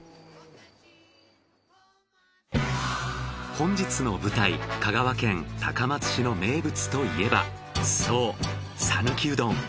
本日の舞台香川県高松市の名物といえばそう讃岐うどん。